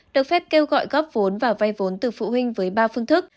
được phép kêu gọi góp vốn và vay vốn từ phụ huynh với ba phương thức